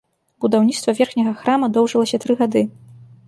Будаўніцтва верхняга храма доўжылася тры гады.